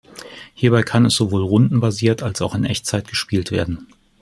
Hierbei kann es sowohl rundenbasiert als auch in Echtzeit gespielt werden.